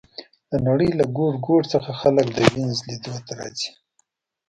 د نړۍ له ګوټ ګوټ څخه خلک د وینز لیدو ته راځي